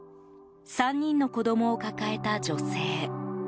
３人の子供を抱えた女性。